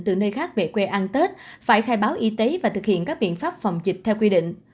từ nơi khác về quê ăn tết phải khai báo y tế và thực hiện các biện pháp phòng dịch theo quy định